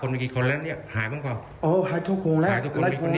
นะคะหายทุกคนแล้ว